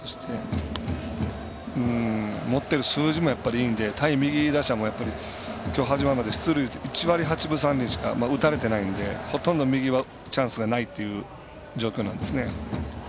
持っている数字もいいので対右打者も、今日始まるまで出塁率、１割８分３厘しか打たれてないのでほとんど右はチャンスがないという状況なんですね。